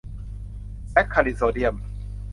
แซ็กคารินโซเดียม